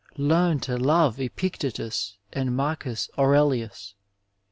Learn to love Epictetus and Marcus Aurelius.